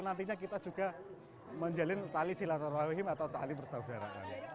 nantinya kita juga menjalin tali silat al wahim atau tali bersaudara